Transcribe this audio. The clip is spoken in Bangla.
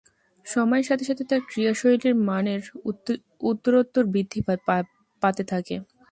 সময়ের সাথে সাথে তার ক্রীড়াশৈলীর মানের উত্তরোত্তর বৃদ্ধি পাতে থাকে।